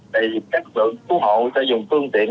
thì các lực cứu hộ sẽ dùng phương tiện